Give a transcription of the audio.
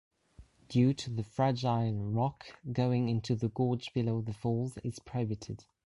Due to the fragile rock, going into the gorge below the falls is prohibited.